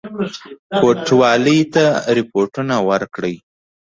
کوټوالی ته رپوټونه ورکړي.